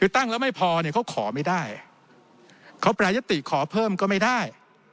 คือตั้งแล้วไม่พอเนี่ยเขาขอไม่ได้เขาแปรยติขอเพิ่มก็ไม่ได้